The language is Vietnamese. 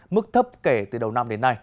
mức thấp kể từ đầu năm